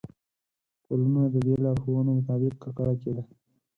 ټولنه د دې لارښوونو مطابق ککړه کېده.